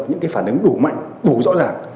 những phản ứng đủ mạnh đủ rõ ràng